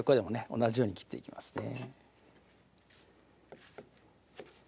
同じように切っていきますね